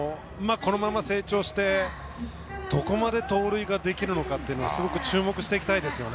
このまま成長してどこまで盗塁ができるのか注目していきたいですね。